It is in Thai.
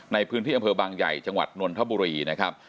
ในพื้นที่อำเภอบางใหญ่จังหวัดนนทบุรีนะครับ